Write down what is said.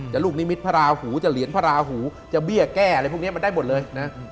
ลูกนิมิตพระราหูจะเหรียญพระราหูจะเบี้ยแก้อะไรพวกนี้มันได้หมดเลยนะ